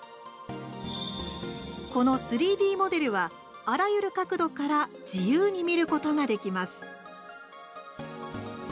この３Ｄモデルはあらゆる角度から自由に見ることができます。